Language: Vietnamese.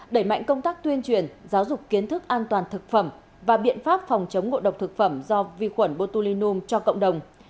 đẩy mạnh công tác tuyên truyền giáo dục kiến thức an toàn thực phẩm và biện pháp phòng chống ngộ độc thực phẩm do vi khuẩn botulinum cho cộng đồng